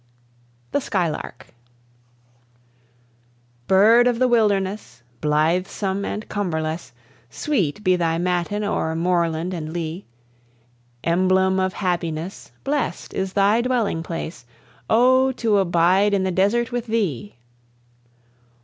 THE SKYLARK. Bird of the wilderness, Blithesome and cumberless, Sweet be thy matin o'er moorland and lea! Emblem of happiness, Blest is thy dwelling place Oh, to abide in the desert with thee!